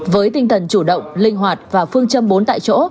với tinh thần chủ động linh hoạt và phương châm bốn tại chỗ